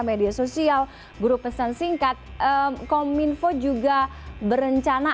media sosial guru pesan singkat kominfo juga berencana